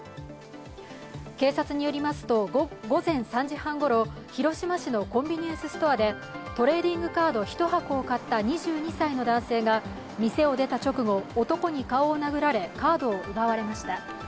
警察によりますと午前３時半ごろ、広島市のコンビニエンスストアで、トレーディングカード１箱を買った２２歳の男性が店を出た直後男に顔を殴られ、カードを奪われました。